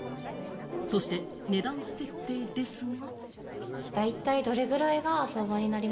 そして値段設定ですが。